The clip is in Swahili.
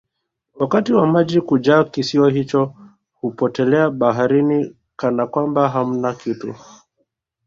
wakati wa maji kujaa kisiwa hicho hupotelea baharini Kana kwamba hamna kitu